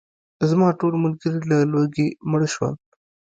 زما ټول ملګري له لوږې مړه شول.